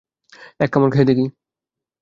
এক কামড় খেয়ে দেখি।